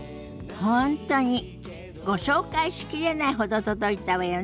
本当にご紹介しきれないほど届いたわよね。